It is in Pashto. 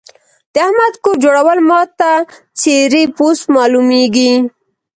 د احمد کور جوړول ما ته څيرې پوست مالومېږي.